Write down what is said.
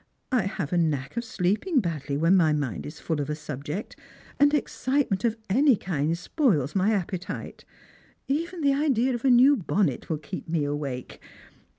I have a knack of sleeping badly when my mind is full of a subject, and excite ment of any kind spoils my appetite. Even the idea of a new bonnet will keep me awake.